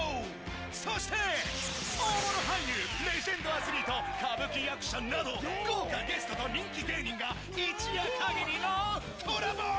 そして、大物俳優、レジェンドアスリート、歌舞伎役者など、豪華ゲストと人気芸人が一夜限りのコラボ。